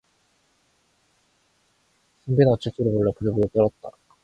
선비는 어쩔 줄을 몰라 부들부들 떨었다.